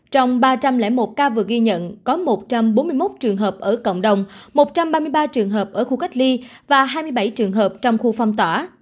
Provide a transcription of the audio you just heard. trong ba trăm linh một ca vừa ghi nhận có một trăm bốn mươi một trường hợp ở cộng đồng một trăm ba mươi ba trường hợp ở khu cách ly và hai mươi bảy trường hợp trong khu phong tỏa